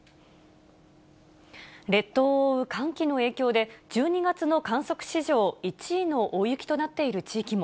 列島を覆う寒気の影響で、１２月の観測史上１位の大雪となっている地域も。